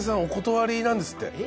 お断りなんですって。